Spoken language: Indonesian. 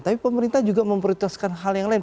tapi pemerintah juga memprioritaskan hal yang lain